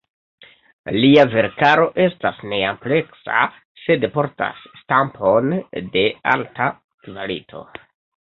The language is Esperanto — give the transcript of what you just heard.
Lia verkaro estas neampleksa, sed portas stampon de alta kvalito.